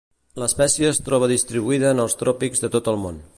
L'espècie es troba distribuïda en els tròpics de tot el món.